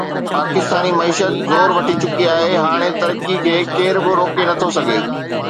پاڪستاني معيشت جو زور وٺي چڪي آهي هاڻي ترقي کي ڪير به روڪي نٿو سگهي